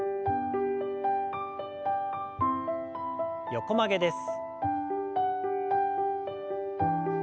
横曲げです。